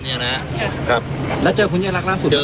เนี้ยนะฮะครับครับแล้วเจอคุณเนี้ยรักล่าสุดเจอ